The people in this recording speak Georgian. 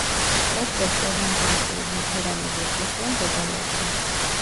პეტრეს ევანგელისტური ლუთერანული ეკლესია მდებარეობდა.